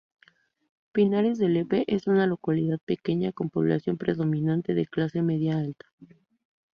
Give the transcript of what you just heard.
Pinares de Lepe es una localidad pequeña, con población predominantemente de clase media-alta.